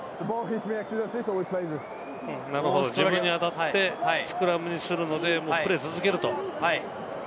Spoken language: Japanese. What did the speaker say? なるほど、自分に当たってスクラムにするので、プレーを続けると。